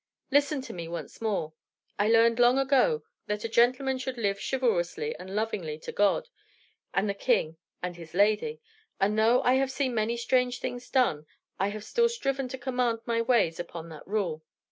Listen to me once more. I learned long ago that a gentleman should live chivalrously and lovingly to God, and the king, and his lady; and though I have seen many strange things done, I have still striven to command my ways upon that rule.